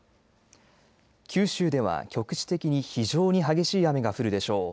九州では局地的に非常に激しい雨が降るでしょう。